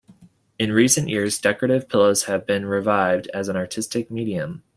In recent years, decorative pillows have been revived as an artistic medium.